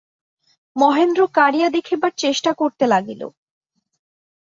মহেন্দ্র কাড়িয়া দেখিবার চেষ্টা করিতে লাগিল।